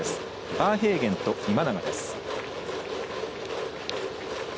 バーヘイゲンと今永です。